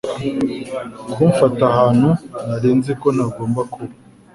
Kumfata ahantu nari nzi ko ntagomba kuba